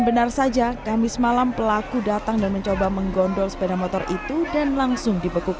benar saja kamis malam pelaku datang dan mencoba menggondol sepeda motor itu dan langsung dibekuk